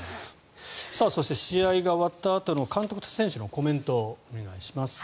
そして試合が終わったあとの監督と選手のコメントお願いします。